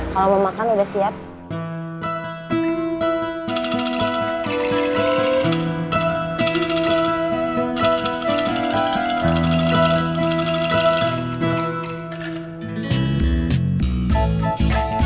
kalau mau makan udah siap